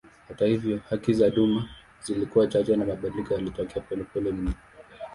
Hata hivyo haki za duma zilikuwa chache na mabadiliko yalitokea polepole mno.